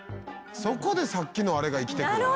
そこでさっきのあれが生きてくる。